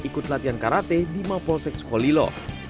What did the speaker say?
ikut latihan karate di mapolsek sukolilo